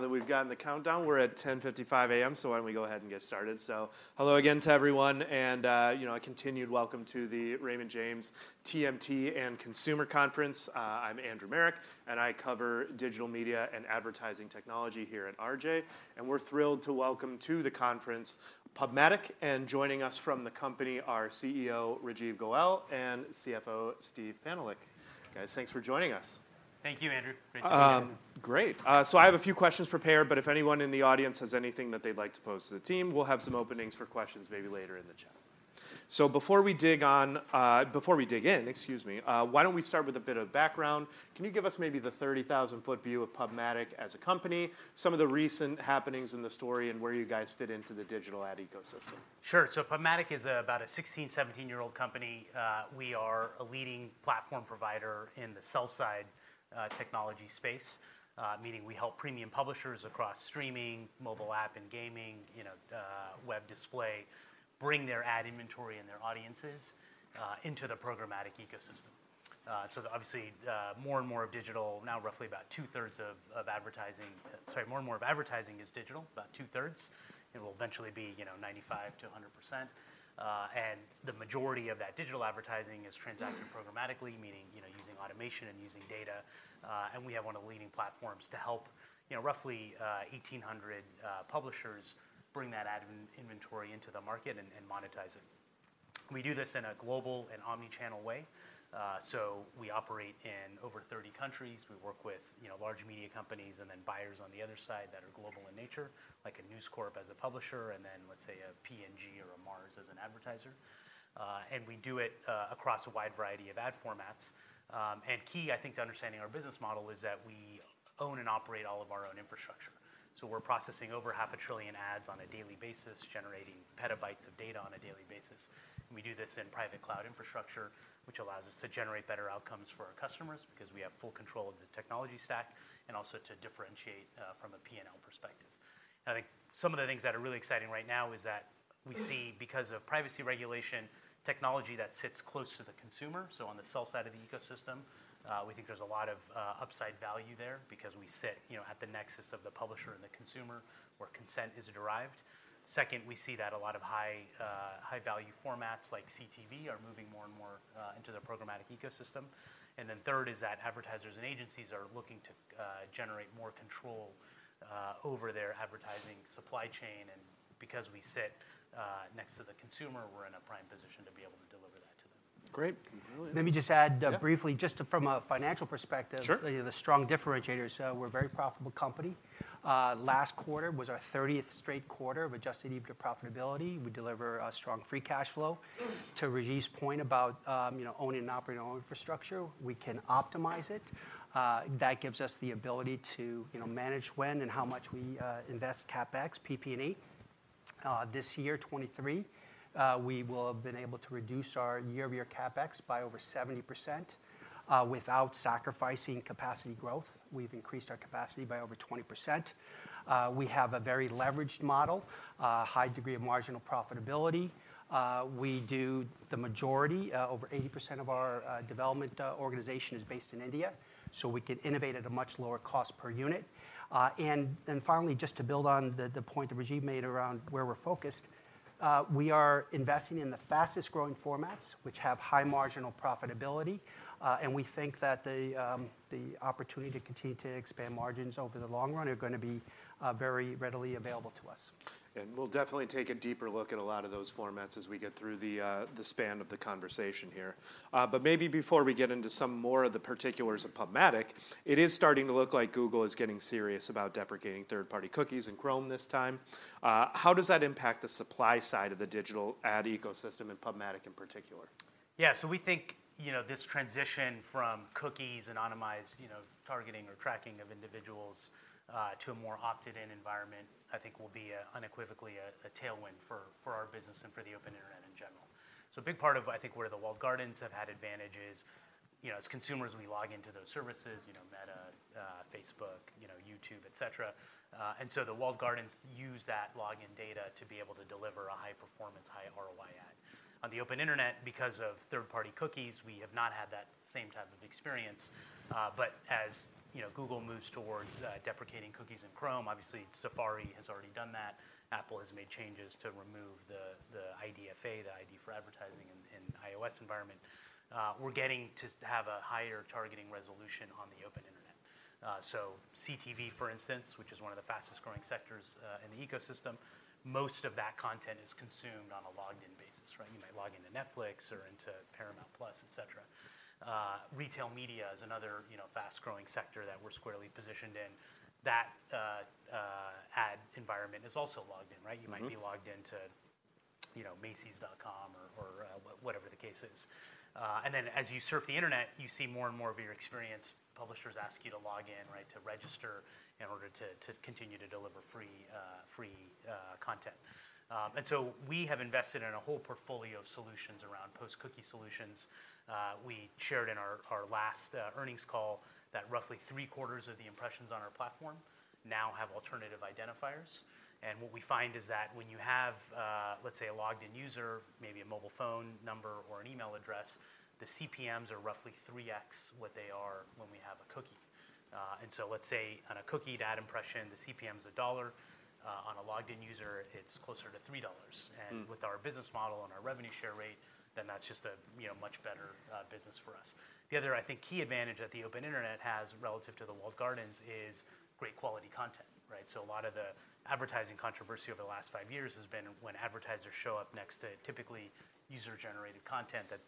All right, now that we've gotten the countdown, we're at 10:55 A.M., so why don't we go ahead and get started? So hello again to everyone, and, you know, a continued welcome to the Raymond James TMT and Consumer Conference. I'm Andrew Marok, and I cover digital media and advertising technology here at RJ. And we're thrilled to welcome to the conference, PubMatic. And joining us from the company are CEO Rajeev Goel, and CFO Steve Pantelick. Guys, thanks for joining us Thank you, Andrew. Thank you. Great. So I have a few questions prepared, but if anyone in the audience has anything that they'd like to pose to the team, we'll have some openings for questions maybe later in the chat. So before we dig in, excuse me, why don't we start with a bit of background? Can you give us maybe the 30,000-foot view of PubMatic as a company, some of the recent happenings in the story, and where you guys fit into the digital ad ecosystem? Sure. So PubMatic is about a 16-, 17-year-old company. We are a leading platform provider in the sell-side technology space, meaning we help premium publishers across streaming, mobile app and gaming, you know, web display, bring their ad inventory and their audiences into the programmatic ecosystem. So obviously, more and more of digital, now, roughly about two-thirds of, of advertising... Sorry, more and more of advertising is digital, about two-thirds. It will eventually be, you know, 95%-100%. And the majority of that digital advertising is transacted programmatically, meaning, you know, using automation and using data. And we have one of the leading platforms to help, you know, roughly 1,800 publishers bring that ad inventory into the market and monetize it. We do this in a global and omni-channel way. So we operate in over 30 countries. We work with, you know, large media companies and then buyers on the other side that are global in nature, like a News Corp as a publisher, and then, let's say, a P&G or a Mars as an advertiser. And we do it across a wide variety of ad formats. And key, I think, to understanding our business model is that we own and operate all of our own infrastructure. So we're processing over half a trillion ads on a daily basis, generating petabytes of data on a daily basis. We do this in private cloud infrastructure, which allows us to generate better outcomes for our customers because we have full control of the technology stack, and also to differentiate from a P&L perspective. I think some of the things that are really exciting right now is that we see, because of privacy regulation, technology that sits close to the consumer, so on the sell-side of the ecosystem, we think there's a lot of, upside value there because we sit, you know, at the nexus of the publisher and the consumer, where consent is derived. Second, we see that a lot of high, high value formats like CTV are moving more and more, into the programmatic ecosystem. And then third is that advertisers and agencies are looking to, generate more control, over their advertising supply chain, and because we sit, next to the consumer, we're in a prime position to be able to deliver that to them. Great. Let me just add, Yeah... briefly, just from a financial perspective- Sure... the strong differentiators. We're a very profitable company. Last quarter was our 30th straight quarter of Adjusted EBITDA profitability. We deliver a strong free cash flow. To Rajeev's point about, you know, owning and operating our own infrastructure, we can optimize it. That gives us the ability to, you know, manage when and how much we invest CapEx, PP&E. This year, 2023, we will have been able to reduce our year-over-year CapEx by over 70%, without sacrificing capacity growth. We've increased our capacity by over 20%. We have a very leveraged model, a high degree of marginal profitability. We do the majority, over 80% of our development organization is based in India, so we can innovate at a much lower cost per unit. And then finally, just to build on the point that Rajeev made around where we're focused, we are investing in the fastest-growing formats, which have high marginal profitability, and we think that the opportunity to continue to expand margins over the long run are gonna be very readily available to us. We'll definitely take a deeper look at a lot of those formats as we get through the span of the conversation here. But maybe before we get into some more of the particulars of PubMatic, it is starting to look like Google is getting serious about deprecating third-party cookies in Chrome this time. How does that impact the supply side of the digital ad ecosystem and PubMatic in particular? Yeah. So we think, you know, this transition from cookies, anonymized, you know, targeting or tracking of individuals, to a more opted-in environment, I think, will be unequivocally a tailwind for our business and for the open internet in general. So a big part of, I think, where the walled gardens have had advantages, you know, as consumers, we log into those services, you know, Meta, Facebook, you know, YouTube, et cetera. And so the walled gardens use that login data to be able to deliver a high-performance, high-ROI ad. On the open Internet, because of third-party cookies, we have not had that same type of experience, but as, you know, Google moves towards deprecating cookies in Chrome, obviously Safari has already done that. Apple has made changes to remove the IDFA, the ID for advertising in iOS environment. We're getting to have a higher targeting resolution on the open Internet. So CTV, for instance, which is one of the fastest-growing sectors in the ecosystem, most of that content is consumed on a logged-in basis, right? You might log into Netflix or into Paramount+, et cetera. Retail media is another, you know, fast-growing sector that we're squarely positioned in. That ad environment is also logged in, right? Mm-hmm. You might be logged into, you know, Macy's.com or whatever the case is. And then as you surf the Internet, you see more and more of your experience, publishers ask you to log in, right, to register in order to continue to deliver free content. And so we have invested in a whole portfolio of solutions around post-cookie solutions. We shared in our last earnings call that roughly three-quarters of the impressions on our platform now have alternative identifiers. And what we find is that when you have, let's say, a logged-in user, maybe a mobile phone number or an email address, the CPMs are roughly 3x what they are when we have a cookie. And so let's say on a cookied ad impression, the CPM is $1, on a logged-in user, it's closer to $3. Mm. With our business model and our revenue share rate, then that's just a, you know, much better business for us. The other, I think, key advantage that the open internet has relative to the walled gardens is great quality content, right? So a lot of the advertising controversy over the last five years has been when advertisers show up next to typically user-generated content that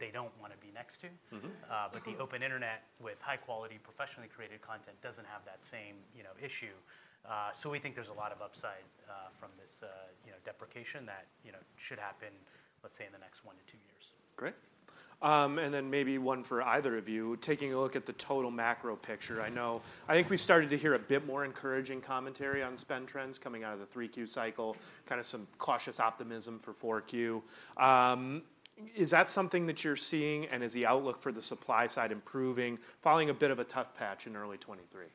they don't want to be next to. Mm-hmm. Mm-hmm. But the open internet with high-quality, professionally created content doesn't have that same, you know, issue. So we think there's a lot of upside from this, you know, deprecation that, you know, should happen, let's say, in the next one-two years. Great. And then maybe one for either of you. Taking a look at the total macro picture, I know—I think we started to hear a bit more encouraging commentary on spend trends coming out of the 3Q cycle, kinda some cautious optimism for 4Q. Is that something that you're seeing, and is the outlook for the supply side improving, following a bit of a tough patch in early 2023?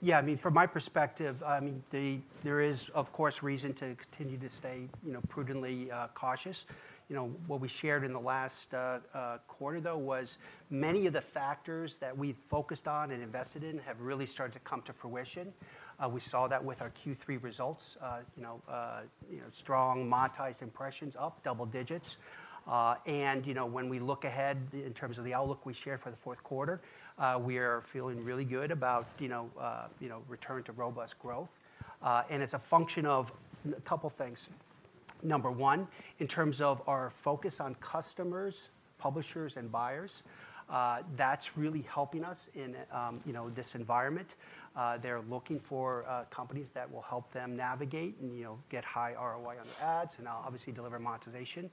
Yeah, I mean, from my perspective, I mean, there is, of course, reason to continue to stay, you know, prudently cautious. You know, what we shared in the last quarter, though, was many of the factors that we focused on and invested in have really started to come to fruition. We saw that with our Q3 results, you know, strong monetized impressions, up double digits. And you know, when we look ahead in terms of the outlook we share for the fourth quarter, we are feeling really good about, you know, return to robust growth. And it's a function of a couple things. Number one, in terms of our focus on customers, publishers, and buyers, that's really helping us in, you know, this environment. They're looking for companies that will help them navigate and, you know, get high ROI on their ads, and obviously, deliver monetization.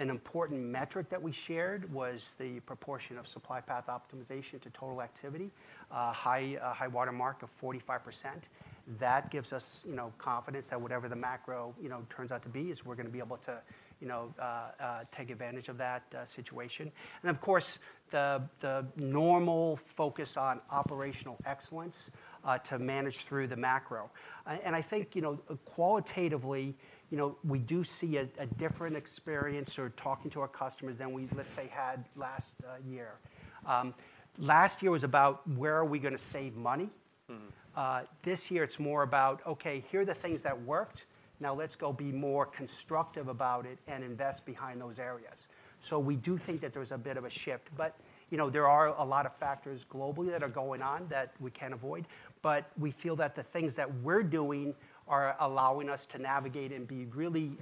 An important metric that we shared was the proportion of supply path optimization to total activity. A high water mark of 45%. That gives us, you know, confidence that whatever the macro, you know, turns out to be, is we're gonna be able to, you know, take advantage of that situation. And of course, the normal focus on operational excellence to manage through the macro. And I think, you know, qualitatively, you know, we do see a different experience or talking to our customers than we, let's say, had last year. Last year was about: where are we gonna save money? Mm-hmm. This year it's more about, okay, here are the things that worked, now let's go be more constructive about it and invest behind those areas. So we do think that there's a bit of a shift, but, you know, there are a lot of factors globally that are going on that we can't avoid, but we feel that the things that we're doing are allowing us to navigate and be really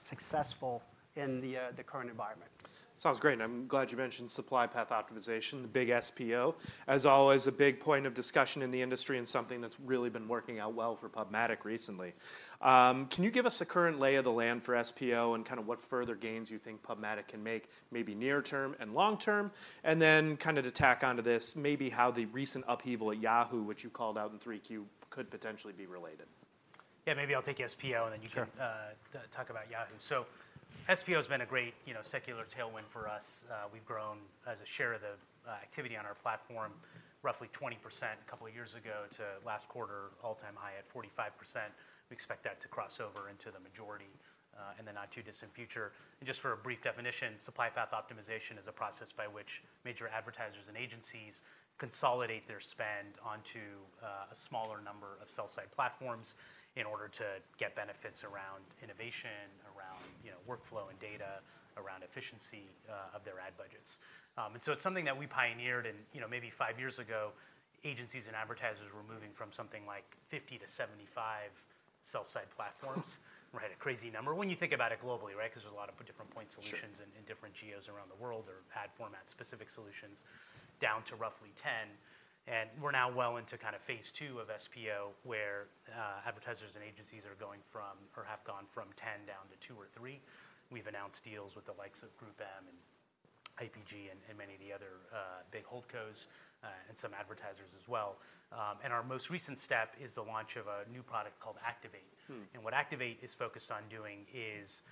successful in the current environment. Sounds great, and I'm glad you mentioned Supply Path Optimization, the big SPO. As always, a big point of discussion in the industry and something that's really been working out well for PubMatic recently. Can you give us a current lay of the land for SPO and kind of what further gains you think PubMatic can make, maybe near term and long term? And then kind of to tack onto this, maybe how the recent upheaval at Yahoo, which you called out in 3Q, could potentially be related? Yeah, maybe I'll take SPO- Sure... and then you can, talk about Yahoo. So SPO has been a great, you know, secular tailwind for us. We've grown as a share of the, activity on our platform, roughly 20% a couple of years ago, to last quarter, all-time high at 45%. We expect that to cross over into the majority, in the not-too-distant future. And just for a brief definition, Supply Path Optimization is a process by which major advertisers and agencies consolidate their spend onto, a smaller number of sell-side platforms in order to get benefits around innovation, around, you know, workflow and data, around efficiency, of their ad budgets. and so it's something that we pioneered in... You know, maybe five years ago, agencies and advertisers were moving from something like 50-75 sell-side platforms. Wow! Right, a crazy number when you think about it globally, right? 'Cause there's a lot of different point solutions- Sure... in different geos around the world or ad format-specific solutions, down to roughly 10. We're now well into kind of phase two of SPO, where advertisers and agencies are going from or have gone from 10 down to two or three. We've announced deals with the likes of GroupM and IPG and many of the other big holdcos and some advertisers as well. Our most recent step is the launch of a new product called Activate. Hmm. What Activate is focused on doing is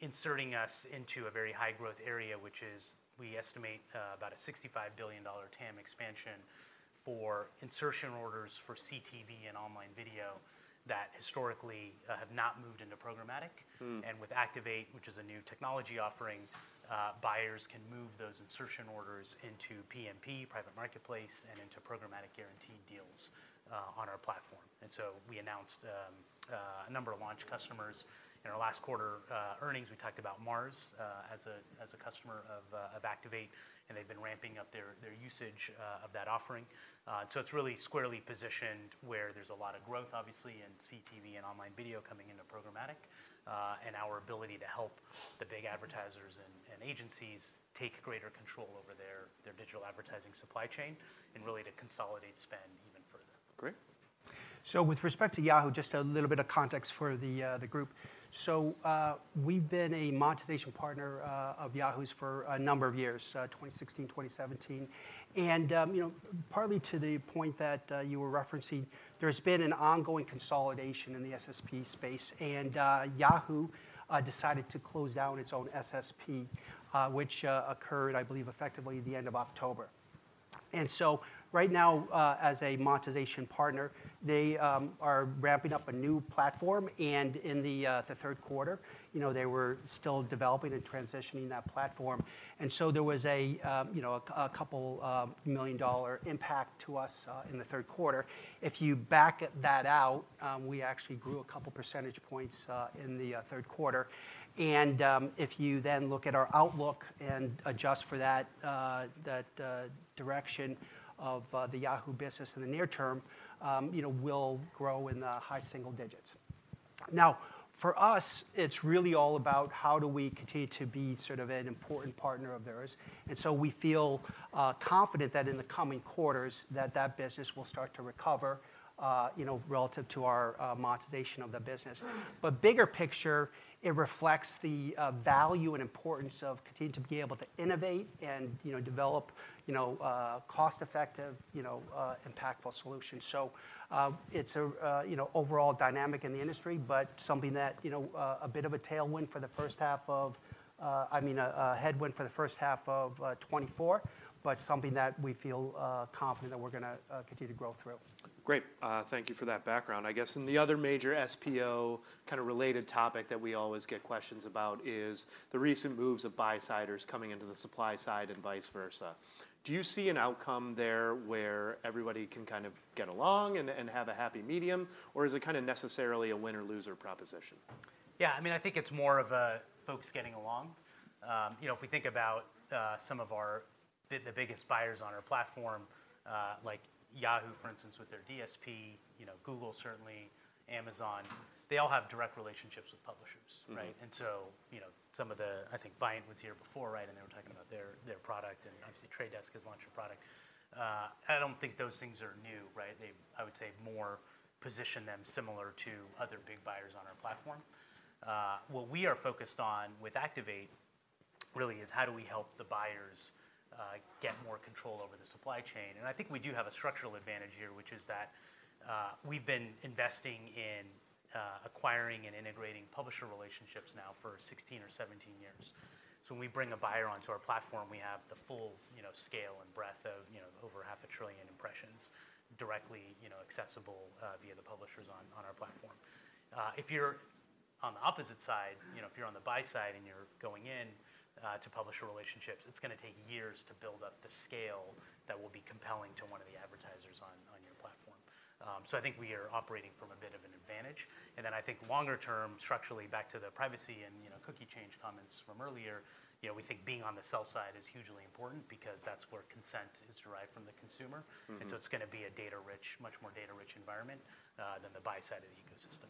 inserting us into a very high-growth area, which is, we estimate, about a $65 billion TAM expansion for insertion orders for CTV and online video that historically have not moved into programmatic. Hmm. With Activate, which is a new technology offering, buyers can move those insertion orders into PMP, Private Marketplace, and into Programmatic Guaranteed deals on our platform. So we announced a number of launch customers. In our last quarter earnings, we talked about Mars as a customer of Activate, and they've been ramping up their usage of that offering. So it's really squarely positioned where there's a lot of growth, obviously, in CTV and online video coming into programmatic, and our ability to help the big advertisers and agencies take greater control over their digital advertising supply chain and really to consolidate spend even further. Great. So with respect to Yahoo, just a little bit of context for the group. We've been a monetization partner of Yahoo's for a number of years, 2016, 2017. You know, partly to the point that you were referencing, there's been an ongoing consolidation in the SSP space, and Yahoo decided to close down its own SSP, which occurred, I believe, effectively the end of October. So right now, as a monetization partner, they are ramping up a new platform, and in the third quarter, you know, they were still developing and transitioning that platform. So there was a $2 million impact to us in the third quarter. If you back that out, we actually grew a couple percentage points in the third quarter. If you then look at our outlook and adjust for that, that direction of the Yahoo business in the near term, you know, we'll grow in the high single digits. Now, for us, it's really all about how do we continue to be sort of an important partner of theirs, and so we feel confident that in the coming quarters that that business will start to recover, you know, relative to our monetization of the business. But bigger picture, it reflects the value and importance of continuing to be able to innovate and, you know, develop, you know, cost-effective, you know, impactful solutions. So, it's a, you know, overall dynamic in the industry, but something that, you know, a bit of a tailwind for the first half of... I mean, a headwind for the first half of 2024, but something that we feel confident that we're gonna continue to grow through. Great. Thank you for that background. I guess, and the other major SPO kind of related topic that we always get questions about is the recent moves of buy-siders coming into the supply side and vice versa. Do you see an outcome there where everybody can kind of get along and, and have a happy medium, or is it kind of necessarily a win or lose proposition? Yeah, I mean, I think it's more of a folks getting along. You know, if we think about some of our biggest buyers on our platform, like Yahoo, for instance, with their DSP, you know, Google, certainly, Amazon, they all have direct relationships with publishers, right? Mm-hmm. You know, some of the, I think Viant was here before, right? And they were talking about their, their product, and- Mm-hmm... obviously, Trade Desk has launched a product. I don't think those things are new, right? They, I would say, more position them similar to other big buyers on our platform. What we are focused on with Activate really is: how do we help the buyers get more control over the supply chain? And I think we do have a structural advantage here, which is that we've been investing in acquiring and integrating publisher relationships now for 16 or 17 years. So when we bring a buyer onto our platform, we have the full, you know, scale and breadth of, you know, over 500 billion impressions directly, you know, accessible via the publishers on our platform. If you're on the opposite side, you know, if you're on the buy side and you're going in to publisher relationships, it's gonna take years to build up the scale that will be compelling to one of the advertisers on, on your platform. So I think we are operating from a bit of an advantage. Then I think longer term, structurally, back to the privacy and, you know, cookie change comments from earlier, you know, we think being on the sell side is hugely important because that's where consent is derived from the consumer. Mm-hmm. It's gonna be a data-rich, much more data-rich environment, than the buy side of the ecosystem.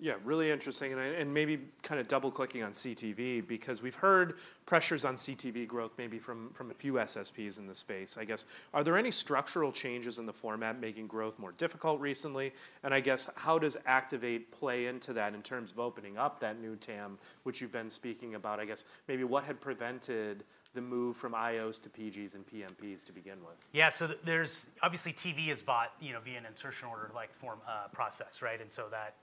Yeah, really interesting, and maybe kind of double-clicking on CTV, because we've heard pressures on CTV growth, maybe from a few SSPs in the space. I guess, are there any structural changes in the format making growth more difficult recently? And I guess, how does Activate play into that in terms of opening up that new TAM, which you've been speaking about? I guess, maybe what had prevented the move from iOS to P&Gs and PMPs to begin with? Yeah, so there's obviously, TV is bought, you know, via an insertion order-like form, process, right? And so that,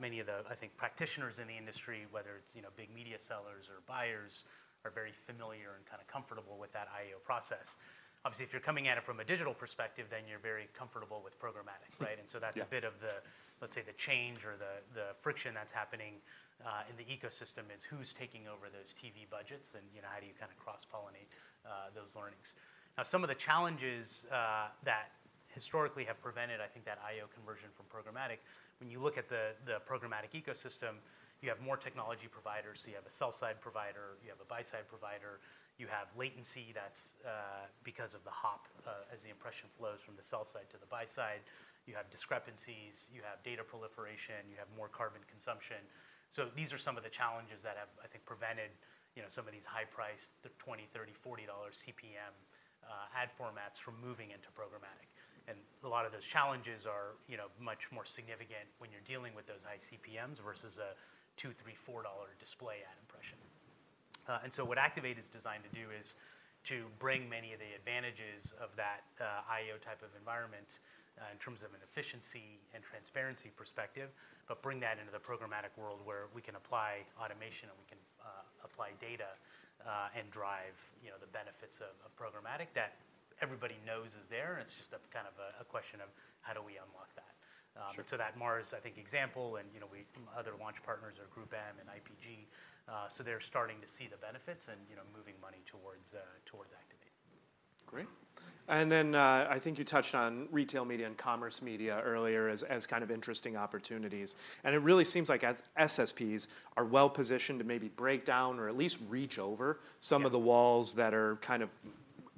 many of the, I think, practitioners in the industry, whether it's, you know, big media sellers or buyers, are very familiar and kind of comfortable with that IO process. Obviously, if you're coming at it from a digital perspective, then you're very comfortable with programmatic, right? Yeah. And so that's a bit of the, let's say, the change or the friction that's happening in the ecosystem is: who's taking over those TV budgets, and, you know, how do you kind of cross-pollinate those learnings? Now, some of the challenges that historically have prevented, I think, that IO conversion from programmatic, when you look at the programmatic ecosystem, you have more technology providers. So you have a sell-side provider, you have a buy-side provider, you have latency that's because of the hop as the impression flows from the sell side to the buy side, you have discrepancies, you have data proliferation, you have more carbon consumption. So these are some of the challenges that have, I think, prevented, you know, some of these high-priced $20, $30, $40 CPM ad formats from moving into programmatic. A lot of those challenges are, you know, much more significant when you're dealing with those high CPMs versus a $2, $3, $4 display ad impression. So what Activate is designed to do is to bring many of the advantages of that, IO type of environment, in terms of an efficiency and transparency perspective, but bring that into the programmatic world, where we can apply automation, and we can apply data, and drive, you know, the benefits of programmatic that everybody knows is there, and it's just a kind of a, a question of: how do we unlock that? Sure. And so that Mars example, I think, and, you know, other launch partners are GroupM and IPG, so they're starting to see the benefits and, you know, moving money towards Activate. Great. And then, I think you touched on retail media and commerce media earlier as kind of interesting opportunities, and it really seems like as SSPs are well positioned to maybe break down or at least reach over- Yeah... some of the walls that are kind of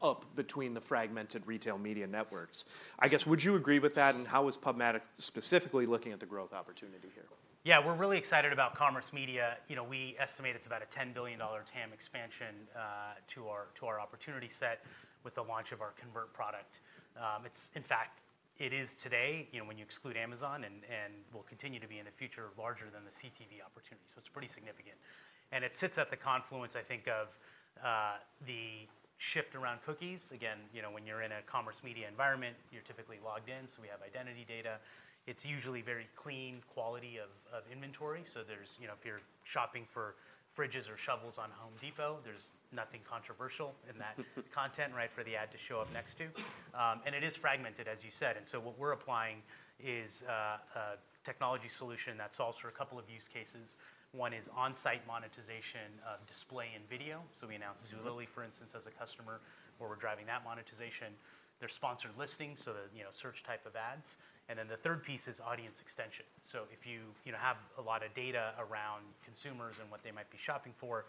up between the fragmented retail media networks. I guess, would you agree with that, and how is PubMatic specifically looking at the growth opportunity here? Yeah, we're really excited about commerce media. You know, we estimate it's about a $10 billion TAM expansion to our opportunity set with the launch of our Convert product. In fact, it is today, you know, when you exclude Amazon, and will continue to be in the future, larger than the CTV opportunity, so it's pretty significant. And it sits at the confluence, I think, of the shift around cookies. Again, you know, when you're in a commerce media environment, you're typically logged in, so we have identity data. It's usually very clean quality of inventory, so there's, you know, if you're shopping for fridges or shovels on Home Depot. There's nothing controversial in that content, right, for the ad to show up next to. And it is fragmented, as you said, and so what we're applying is a technology solution that solves for a couple of use cases. One is on-site monetization of display and video. So we announced- Mm Zulily, for instance, as a customer, where we're driving that monetization. There's sponsored listings, so the, you know, search type of ads, and then the third piece is audience extension. So if you, you know, have a lot of data around consumers and what they might be shopping for,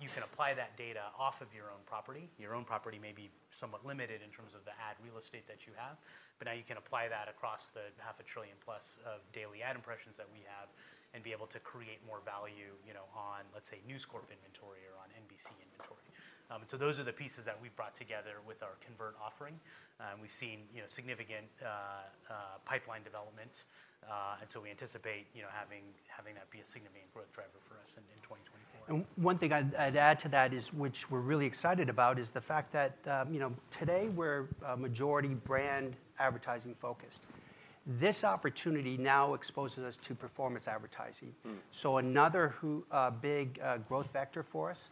you can apply that data off of your own property. Your own property may be somewhat limited in terms of the ad real estate that you have, but now you can apply that across the 500 billion-plus of daily ad impressions that we have and be able to create more value, you know, on, let's say, News Corp inventory or on NBC inventory. And so those are the pieces that we've brought together with our Convert offering, and we've seen, you know, significant pipeline development. We anticipate, you know, having that be a significant growth driver for us in 2024. One thing I'd add to that is, which we're really excited about, is the fact that, you know, today, we're a majority brand advertising focused. This opportunity now exposes us to performance advertising. Mm. So another big growth vector for us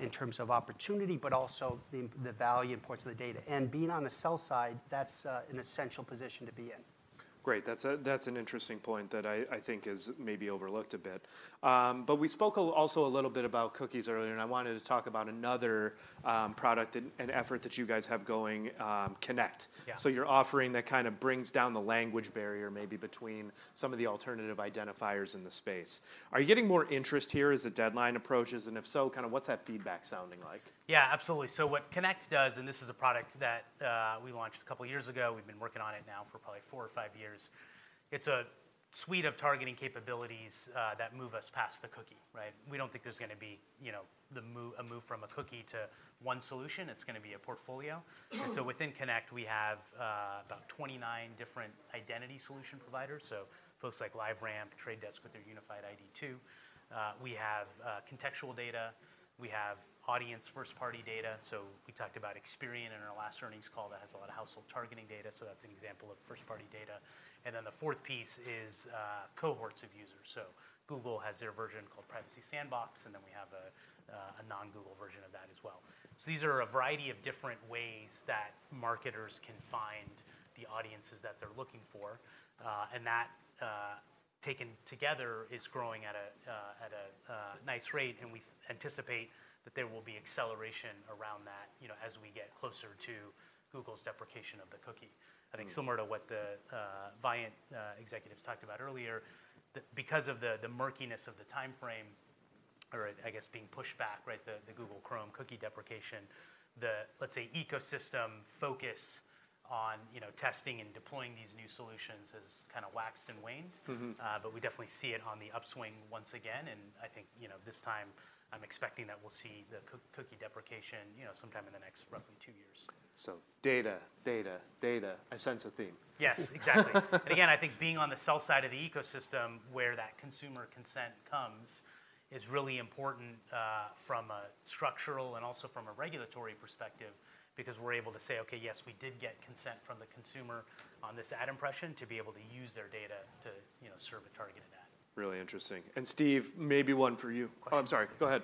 in terms of opportunity, but also the value and parts of the data. And being on the sell-side, that's an essential position to be in. Great, that's an interesting point that I think is maybe overlooked a bit. But we spoke a little, also a little bit about cookies earlier, and I wanted to talk about another product and effort that you guys have going, Connect. Yeah. So your offering that kind of brings down the language barrier maybe between some of the alternative identifiers in the space. Are you getting more interest here as the deadline approaches, and if so, kind of what's that feedback sounding like? Yeah, absolutely. So what Connect does, and this is a product that we launched a couple of years ago, we've been working on it now for probably four or five years, it's a suite of targeting capabilities that move us past the cookie, right? We don't think there's gonna be, you know, a move from a cookie to one solution. It's gonna be a portfolio. And so within Connect, we have about 29 different identity solution providers, so folks like LiveRamp, Trade Desk with their Unified ID 2.0. We have contextual data, we have audience first-party data. So we talked about Experian in our last earnings call that has a lot of household targeting data, so that's an example of first-party data. And then the fourth piece is cohorts of users. Google has their version called Privacy Sandbox, and then we have a non-Google version of that as well. These are a variety of different ways that marketers can find the audiences that they're looking for, and that, taken together, is growing at a nice rate, and we anticipate that there will be acceleration around that, you know, as we get closer to Google's deprecation of the cookie. Mm. I think similar to what the Viant executives talked about earlier, because of the murkiness of the timeframe, or I guess, being pushed back, right, the Google Chrome cookie deprecation, let's say, ecosystem focus on, you know, testing and deploying these new solutions has kind of waxed and waned. Mm-hmm. But we definitely see it on the upswing once again, and I think, you know, this time, I'm expecting that we'll see the cookie deprecation, you know, sometime in the next roughly two years. Data, data, data. I sense a theme. Yes, exactly. And again, I think being on the sell side of the ecosystem, where that consumer consent comes, is really important, from a structural and also from a regulatory perspective because we're able to say, "Okay, yes, we did get consent from the consumer on this ad impression to be able to use their data to, you know, serve a targeted ad. Really interesting. And Steve, maybe one for you. Oh, I'm sorry. Go ahead.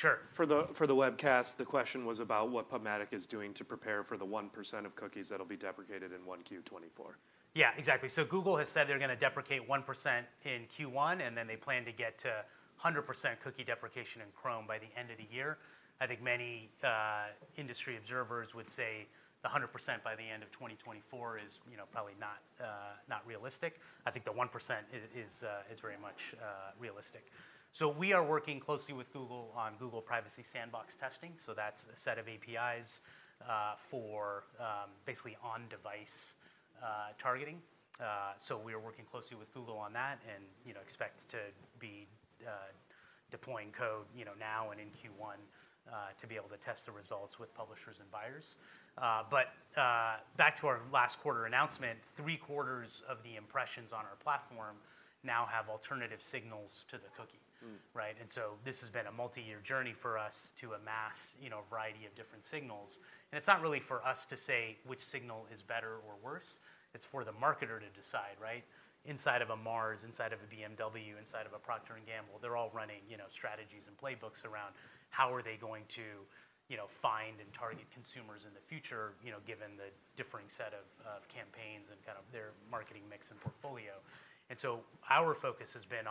I think, I think there are going to be some small portion in Q1, right? I think that's, like, almost for sure as this for sure mark. And I don't know, like, if you could talk about what you're preparing to do before that time period for your customers. Sure. For the webcast, the question was about what PubMatic is doing to prepare for the 1% of cookies that'll be deprecated in 1Q 2024. Yeah, exactly. So Google has said they're gonna deprecate 1% in Q1, and then they plan to get to 100% cookie deprecation in Chrome by the end of the year. I think many industry observers would say the 100% by the end of 2024 is, you know, probably not realistic. I think the 1% is very much realistic. So we are working closely with Google on Google Privacy Sandbox testing, so that's a set of APIs for basically on-device targeting. So we are working closely with Google on that and, you know, expect to be deploying code, you know, now and in Q1 to be able to test the results with publishers and buyers. Back to our last quarter announcement, three-quarters of the impressions on our platform now have alternative signals to the cookie. Mm. Right? And so this has been a multi-year journey for us to amass, you know, a variety of different signals. And it's not really for us to say which signal is better or worse. It's for the marketer to decide, right? Inside of a Mars, inside of a BMW, inside of a Procter & Gamble, they're all running, you know, strategies and playbooks around how are they going to, you know, find and target consumers in the future, you know, given the differing set of, of campaigns and kind of their marketing mix and portfolio. And so our focus has been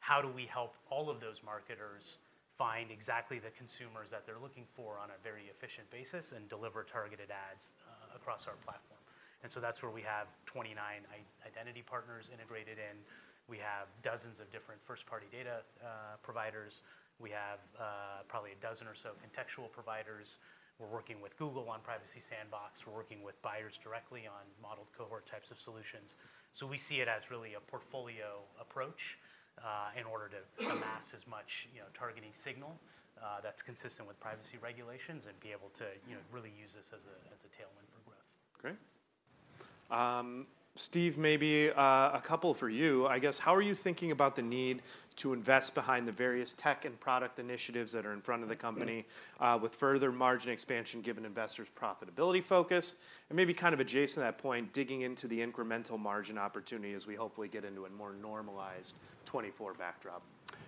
on, how do we help all of those marketers find exactly the consumers that they're looking for on a very efficient basis and deliver targeted ads across our platform? And so that's where we have 29 identity partners integrated in. We have dozens of different first-party data providers. We have probably a dozen or so contextual providers. We're working with Google on Privacy Sandbox. We're working with buyers directly on modeled cohort types of solutions. So we see it as really a portfolio approach in order to amass as much, you know, targeting signal that's consistent with privacy regulations and be able to, you know, really use this as a tailwind for growth. Great. Steve, maybe a couple for you. I guess, how are you thinking about the need to invest behind the various tech and product initiatives that are in front of the company with further margin expansion, given investors' profitability focus? And maybe kind of adjacent to that point, digging into the incremental margin opportunity as we hopefully get into a more normalized 2024 backdrop.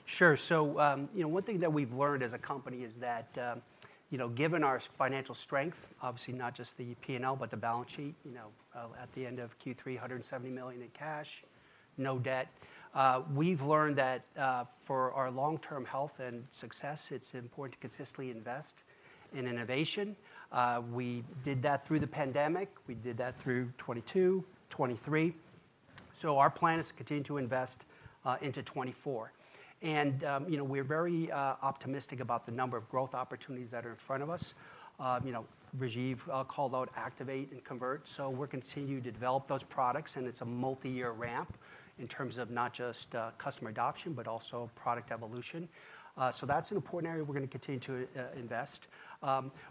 Sure. So, you know, one thing that we've learned as a company is that, you know, given our financial strength, obviously not just the P&L, but the balance sheet, you know, at the end of Q3, $170 million in cash, no debt. We've learned that, for our long-term health and success, it's important to consistently invest in innovation. We did that through the pandemic. We did that through 2022, 2023. So our plan is to continue to invest into 2024. And, you know, we're very optimistic about the number of growth opportunities that are in front of us. You know, Rajeev called out Activate and Convert, so we're continuing to develop those products, and it's a multi-year ramp in terms of not just customer adoption, but also product evolution. So that's an important area we're gonna continue to invest.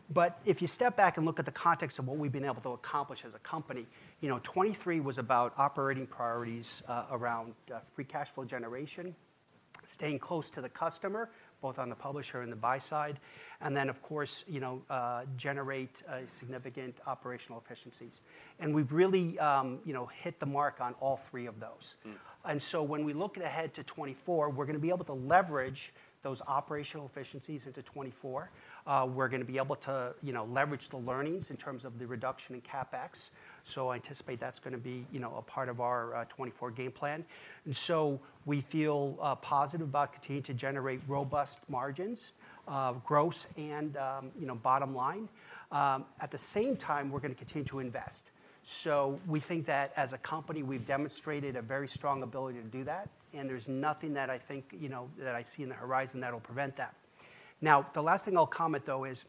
But if you step back and look at the context of what we've been able to accomplish as a company, you know, 2023 was about operating priorities around free cash flow generation, staying close to the customer, both on the publisher and the buy side, and then, of course, you know, generate significant operational efficiencies. We've really, you know, hit the mark on all three of those. Mm. When we look ahead to 2024, we're gonna be able to leverage those operational efficiencies into 2024. We're gonna be able to, you know, leverage the learnings in terms of the reduction in CapEx. I anticipate that's gonna be, you know, a part of our 2024 game plan. We feel positive about continuing to generate robust margins of gross and, you know, bottom line. At the same time, we're gonna continue to invest. We think that as a company, we've demonstrated a very strong ability to do that, and there's nothing that I think, you know, that I see on the horizon that will prevent that. Now, the last thing I'll comment, though, is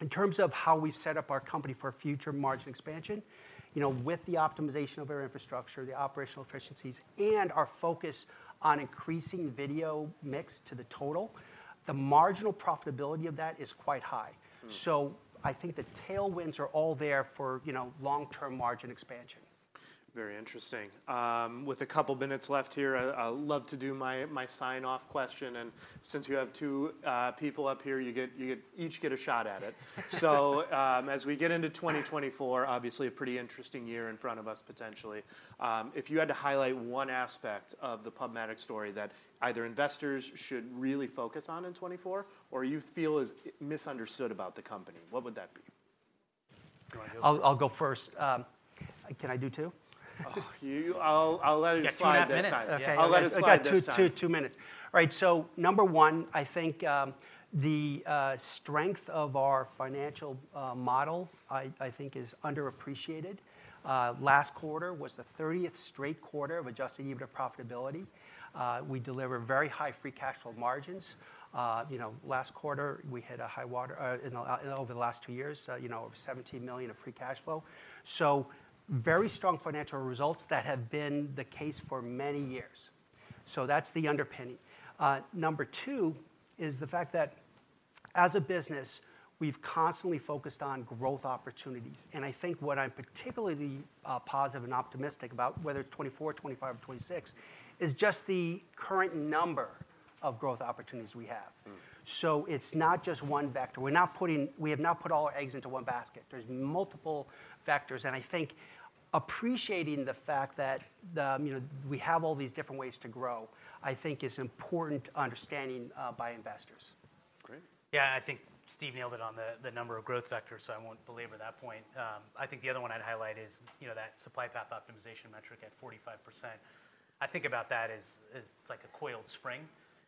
in terms of how we've set up our company for future margin expansion, you know, with the optimization of our infrastructure, the operational efficiencies, and our focus on increasing video mix to the total, the marginal profitability of that is quite high. Mm. I think the tailwinds are all there for, you know, long-term margin expansion. Very interesting. With a couple of minutes left here, I'd love to do my sign-off question, and since you have two people up here, you each get a shot at it. So, as we get into 2024, obviously a pretty interesting year in front of us, potentially. If you had to highlight one aspect of the PubMatic story that either investors should really focus on in 2024 or you feel is misunderstood about the company, what would that be? You want to go? I'll go first. Can I do two? I'll let it slide this time. Get 2.5 minutes. I'll let it slide this time. I got two minutes. All right, so number one, I think the strength of our financial model, I think is underappreciated. Last quarter was the thirtieth straight quarter of Adjusted EBITDA profitability. We deliver very high free cash flow margins. You know, last quarter, we hit a high-water mark over the last two years, you know, $17 million of free cash flow. So very strong financial results that have been the case for many years. So that's the underpinning. Number two is the fact that as a business, we've constantly focused on growth opportunities. And I think what I'm particularly positive and optimistic about, whether it's 2024, 2025, or 2026, is just the current number of growth opportunities we have. Mm. It's not just one vector. We're not. We have not put all our eggs into one basket. There's multiple vectors, and I think appreciating the fact that, you know, we have all these different ways to grow, I think is important understanding by investors. Great. Yeah, I think Steve nailed it on the number of growth vectors, so I won't belabor that point. I think the other one I'd highlight is, you know, that Supply Path Optimization metric at 45%. I think about that as like a coiled spring.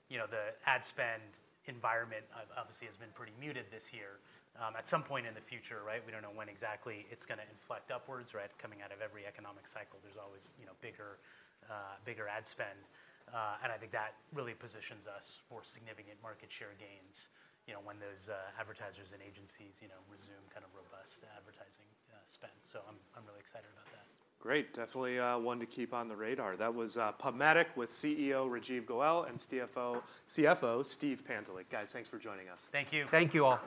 You know, the ad spend environment obviously has been pretty muted this year. At some point in the future, right? We don't know when exactly, it's gonna inflect upwards, right? Coming out of every economic cycle, there's always, you know, bigger ad spend. And I think that really positions us for significant market share gains, you know, when those advertisers and agencies, you know, resume kind of robust advertising spend. So I'm really excited about that. Great, definitely, one to keep on the radar. That was PubMatic with CEO Rajeev Goel and CFO Steve Pantelick. Guys, thanks for joining us. Thank you. Thank you all.